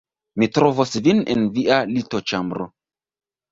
Mi trovos vin en via litoĉambro